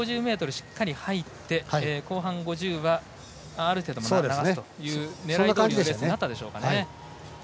しっかり入って後半５０ｍはある程度、流すというようなレースになったでしょうかね。